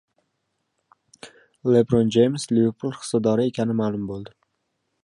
Lebron Jeyms “Liverpul” hissadori ekani ma’lum bo‘ldi